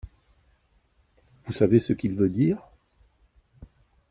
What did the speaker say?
Vous savez ce qu’il veut dire ?